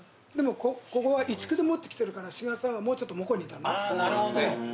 でもここは移築で持ってきてるから志賀さんはもうちょっと向こうにいた。